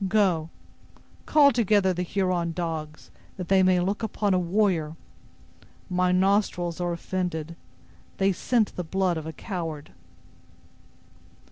Go! call together the Huron dogs, that they may look upon a warrior, My nostrils are offended; they scent the blood of a coward."